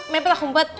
main pelak umpet